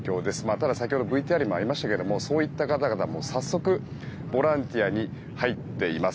ただ先ほどＶＴＲにもありましたけどそういった方々は早速ボランティアに入っています。